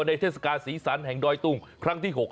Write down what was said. เทศกาลสีสันแห่งดอยตุงครั้งที่๖